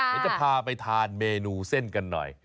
เดี๋ยวจะพาไปทานเมนูเส้นกันหน่อย